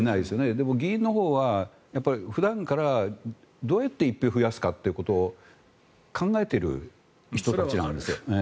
でも議員のほうは普段からどうやって１票増やすかってことを考えている人たちなんですよ。